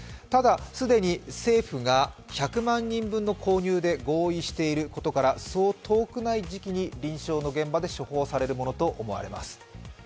ただ既に政府が１００万人分の購入で合意していることからそう遠くない時期に臨床の現場で処方されるものと思われます。